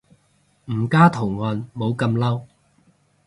唔加圖案冇咁嬲